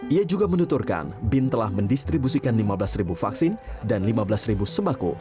ia juga menuturkan bin telah mendistribusikan lima belas vaksin dan lima belas sembako